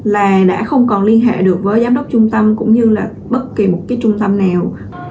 là đã không còn liên hệ được với giám đốc trung tâm cũng như là bất kỳ một cái trung tâm nào